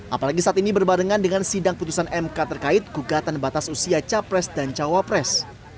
apalagi saat ini berbarengan dengan sidang putusan mk terkait gugatan batas usia capres dan cawapres